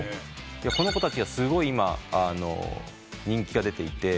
この子たちがすごい今人気が出ていて。